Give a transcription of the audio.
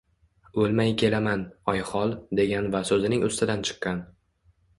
“O’lmay kelaman, Oyxol” degan va so’zining ustidan chiqqan.